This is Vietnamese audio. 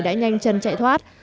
đã nhanh chân chạy thoát